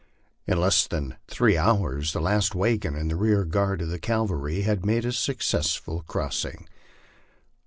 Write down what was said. In less than three hours the last wagon and the rear guard of the cavalry had made a suc cessful crossing.